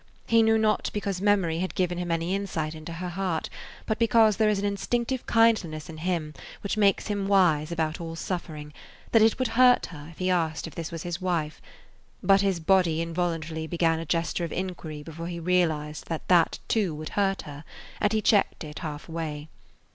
He knew not because memory had given him any insight into her heart, but because there is an instinctive kindliness in him which makes him wise about all suffering, that it would hurt her if he asked if this was his wife; but his body involuntarily began a gesture of inquiry before he realized that [Page 45] that, too, would hurt her, and he checked it half way.